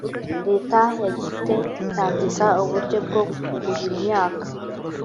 leta yagite itangiza uburyo bwo kuhira imyaka